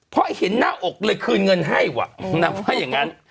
เพราะเห็นหน้าอกเลยคืนเงินให้ว่ะนางว่าอย่างนั้น